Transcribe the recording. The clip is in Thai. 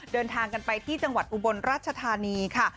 เดินทางกันไปที่จังหวัดอุบลราชธานีค่ะ